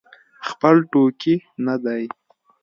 خپل ټوکي نه دی.